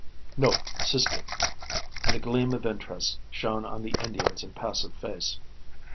"No, sister," and a gleam of interest shone on the Indian's impassive face.